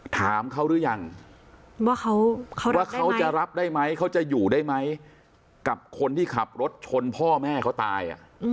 ถามเขาหรือยังว่าเขาจะรับได้ไหมเขาจะอยู่ได้ไหมกับคนที่ขับรถชนพ่อแม่เขาตาย